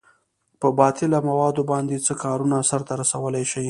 په باطله موادو باندې څه کارونه سرته رسولئ شئ؟